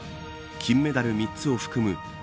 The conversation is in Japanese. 金メダル３つを含む